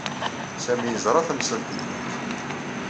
Sami yeẓra tamsalt-nwent.